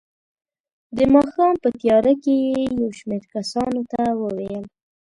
د ماښام په تیاره کې یې یو شمېر کسانو ته وویل.